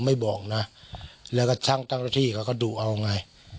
ไม่บอกนะแล้วก็ชั่งตั้งตเหตุที่ก็ดูเอาเอาไง